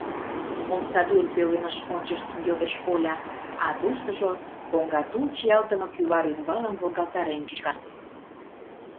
— омсадӱр пӧлемыш ончыштын йодеш Оля, а туштыжо коҥга тул чиялтыме кӱвар ӱмбалым волгалтарен чӱчка.